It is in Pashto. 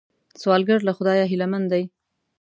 سوالګر له خدایه هیلمن دی